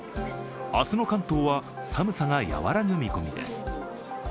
明日の関東は寒さが和らぐ見込みです。